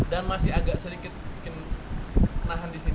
dan masih agak sedikit bikin nahan di sini